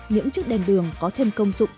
những chiếc đèn đường có thêm công dụng